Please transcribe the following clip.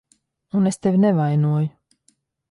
Un es tevi nevainoju.